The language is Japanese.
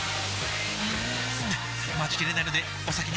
うーん待ちきれないのでお先に失礼！